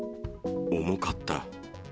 重かった。